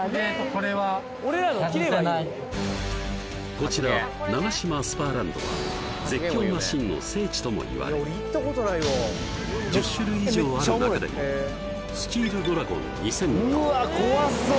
こちらナガシマスパーランドは絶叫マシンの聖地ともいわれ１０種類以上ある中でもスチールドラゴン２０００とうわあ怖そう